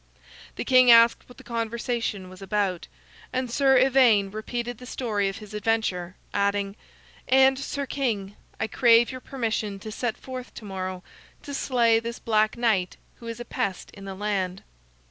The king asked what the conversation was about, and Sir Ivaine repeated the story of his adventure, adding: "And, Sir King, I crave your permission to set forth to morrow to slay this Black Knight who is a pest in the land."